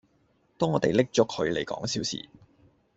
當我地拎左佢黎講笑時